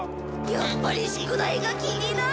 やっぱり宿題が気になる！